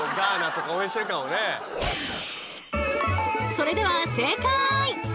それでは正解！